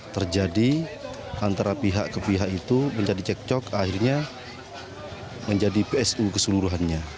terjadi antara pihak ke pihak itu menjadi cekcok akhirnya menjadi psu keseluruhannya